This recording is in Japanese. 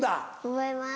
思います。